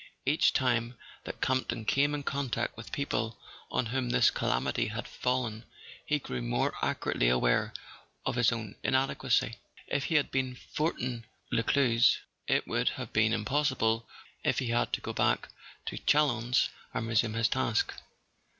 Each time that Campton came in contact with people on whom this calamity had fallen he grew more acutely aware of his own inadequacy. If he had been Fortin Lescluze it would have been impossible for him to go back to Chalons and resume his task.